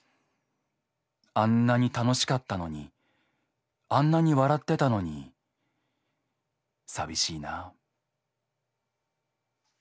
あんなに楽しかったのにあんなに笑ってたのに寂しいなあ」。